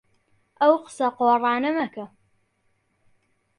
ئەو قسە قۆڕانە مەکە.